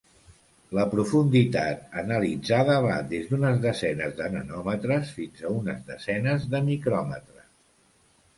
La profunditat analitzada va des d'unes desenes de nanòmetres fins a unes desenes de micròmetres.